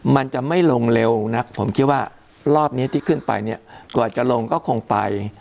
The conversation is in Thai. มันจะไม่ลงเร็วนักผมคิดว่ารอบนี้ที่ขึ้นไปเนี่ยกว่าจะลงก็คงไป